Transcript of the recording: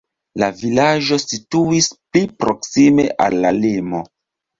La vilaĝo situis pli proksime al la limo.